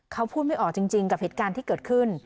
เขาพูดไม่ออกจริงกับเหตุการณ์ที่เกิดขึ้น